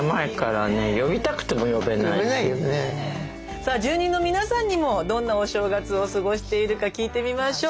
さあ住人の皆さんにもどんなお正月を過ごしているか聞いてみましょう。